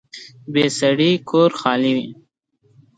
بې سړي کور خالي وي